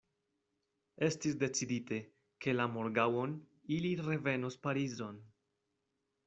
Estis decidite, ke la morgaŭon ili revenos Parizon.